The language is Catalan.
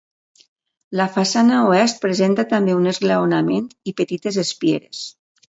La façana oest presenta també un esglaonament i petites espieres.